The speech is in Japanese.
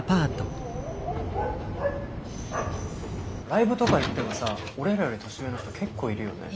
ライブとか行ってもさ俺らより年上の人結構いるよね。